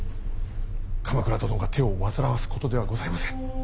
鎌倉殿が手を煩わすことではございません。